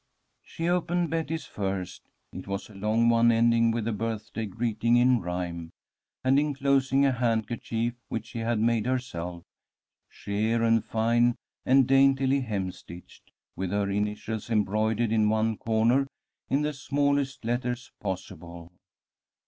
She opened Betty's first. It was a long one, ending with a birthday greeting in rhyme, and enclosing a handkerchief which she had made herself, sheer and fine and daintily hemstitched, with her initials embroidered in one corner in the smallest letters possible.